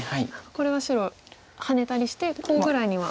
これは白ハネたりしてコウぐらいには。